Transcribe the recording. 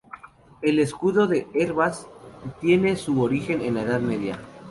El escudo de Hervás tiene su origen en la Edad Media.